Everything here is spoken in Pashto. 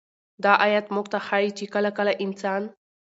دا آيت موږ ته ښيي چې كله كله انسان